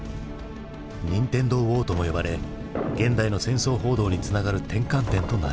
ニンテンドーウォーとも呼ばれ現代の戦争報道につながる転換点となる。